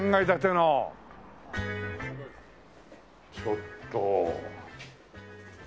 ちょっと。